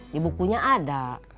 di bukunya ada